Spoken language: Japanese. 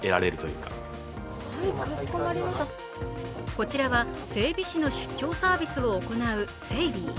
こちらは、整備士の出張サービスを行うセイビー。